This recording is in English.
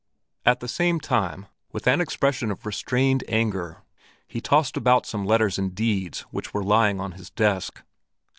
At the same time, with an expression of restrained anger, he tossed about some letters and deeds which were lying on his desk.